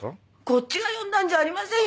こっちが呼んだんじゃありませんよ。